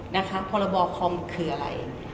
นะคะพลบคอมคืออะไร